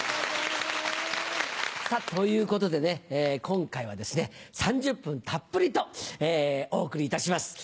さぁということでね今回はですね３０分たっぷりとお送りいたします。